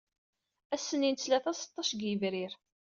Ass-nni n ttlata seṭṭac deg yebrir.